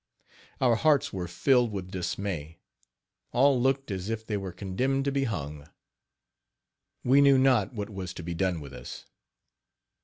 Our hearts were filled with dismay. All looked as if they were condemned to be hung. We knew not what was to be done with us.